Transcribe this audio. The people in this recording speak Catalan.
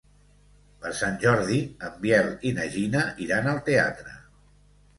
Per Sant Jordi en Biel i na Gina iran al teatre.